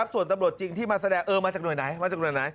ส่วนตำรวจจริงที่มาแสดงมาจากหน่วยไหน